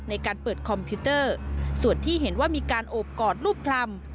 ในการเปิดคอมพิวเตอร์ส่วนที่เห็นว่ามีการโอบกอดรูปพร่ำ